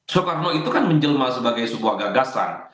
soekarno itu kan menjelma sebagai sebuah gagasan